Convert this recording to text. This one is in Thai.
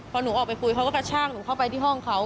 พอหนูออกไปคุยเขาก็กระชากหนูเข้าไปที่ห้องเขา